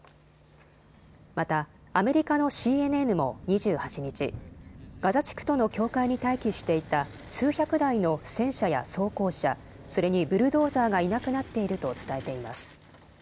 またアメリカのＣＮＮも２８日、ガザ地区との境界に待機していた数百台の戦車や装甲車それにブルドーザーがいなくなっていると伝えています。